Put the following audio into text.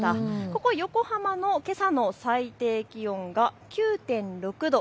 ここ横浜のけさの最低気温が９．６度。